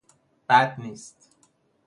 بد نیست